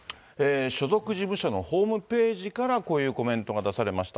所属事務所のホームページから、こういうコメントが出されました。